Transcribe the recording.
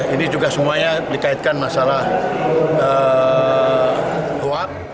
ini juga semuanya dikaitkan masalah kuat